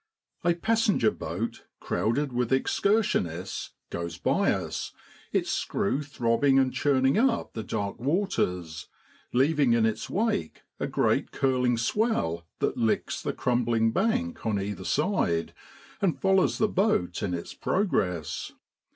A passenger boat, crowded with excursion ists, goes by us, its screw throbbing and churning up the dark waters, leaving in its wake a great curling swell that licks the crumbling bank on either side and follows the boat in its progress.